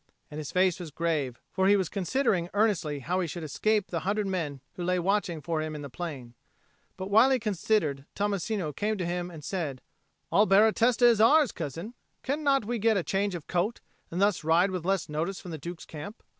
And his face was grave, for he was considering earnestly how he should escape the hundred men who lay watching for him in the plain. But while he considered, Tommasino came to him and said, "All Baratesta is ours, cousin. Cannot we get a change of coat, and thus ride with less notice from the Duke's camp?"